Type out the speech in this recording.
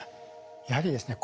やはりですね